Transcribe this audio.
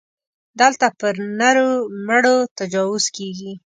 دلته پر نرو مړو تجاوز کېږي.